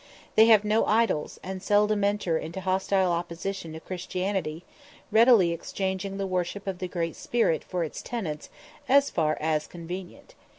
They have no idols, and seldom enter into hostile opposition to Christianity, readily exchanging the worship of the Great Spirit for its tenets, as far as convenient.